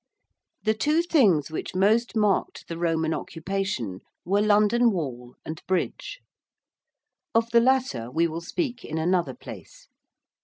The two things which most marked the Roman occupation were London Wall and Bridge. Of the latter we will speak in another place.